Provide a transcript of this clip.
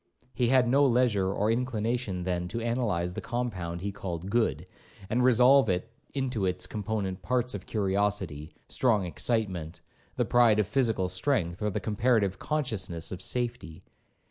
He had no leisure or inclination, then, to analyse the compound he called good, and resolve it into its component parts of curiosity, strong excitement, the pride of physical strength, or the comparative consciousness of safety.